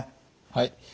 はい。